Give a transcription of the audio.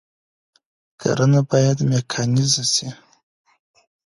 کرنه بايد ميکانيزه سي.